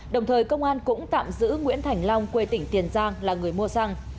đồng thời công an cũng tạm giữ nguyễn thành long quê tỉnh tiền giang là người mua xăng